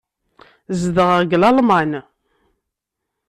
Zedɣeɣ deg Lalman.